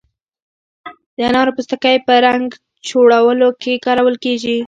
د انارو پوستکی په رنګ جوړولو کې کارول کیږي.